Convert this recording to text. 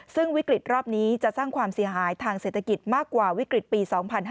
ซึ่งวิกฤตรอบนี้จะสร้างความเสียหายทางเศรษฐกิจมากกว่าวิกฤตปี๒๕๕๙